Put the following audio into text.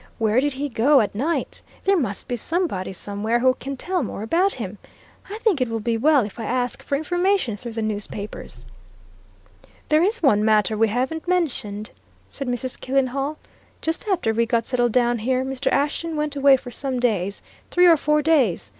Where did he go at night? There must be somebody somewhere who can tell more about him. I think it will be well if I ask for information through the newspapers." "There is one matter we haven't mentioned," said Mrs. Killenhall. "Just after we got settled down here, Mr. Ashton went away for some days three or four days.